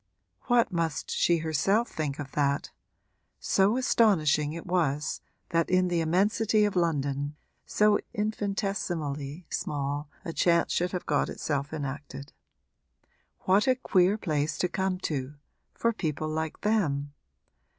What must she herself think of that? so astonishing it was that in the immensity of London so infinitesimally small a chance should have got itself enacted. What a queer place to come to for people like them!